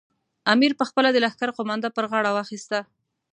امیر پخپله د لښکر قومانده پر غاړه واخیستله.